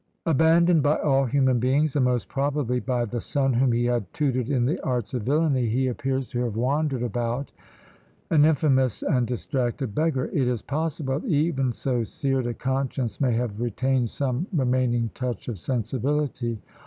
Abandoned by all human beings, and most probably by the son whom he had tutored in the arts of villany, he appears to have wandered about, an infamous and distracted beggar. It is possible that even so seared a conscience may have retained some remaining touch of sensibility.